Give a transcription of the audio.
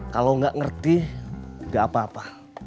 kalau gak ngerti gak apa apa